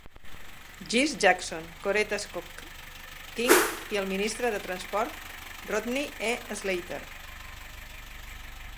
Jesse Jackson, Coretta Scott King i el ministre de Transport Rodney E. Slater.